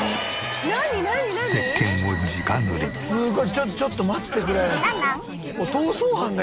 ちょちょっと待ってくれ。